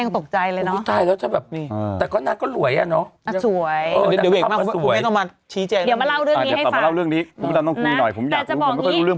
ไปรวมกับใครพูดถึง